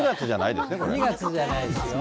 ２月じゃないですよ。